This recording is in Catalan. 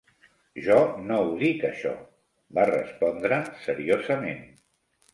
"Jo no ho dic això" va respondre seriosament.